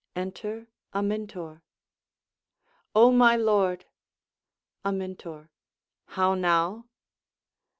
[Enter Amintor.] O my lord! Amintor How now?